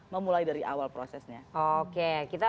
memulai dari awal prosesnya oke kita